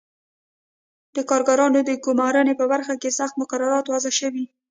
د کارګرو د ګومارنې په برخه کې سخت مقررات وضع شوي.